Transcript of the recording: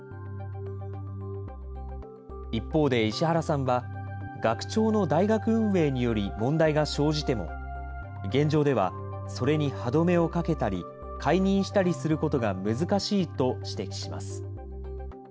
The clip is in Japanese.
一方で石原さんは、学長の大学運営により問題が生じても、現状ではそれに歯止めをかけたり、解任したりすることが難しいと指摘します。